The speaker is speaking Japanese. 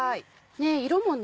色もね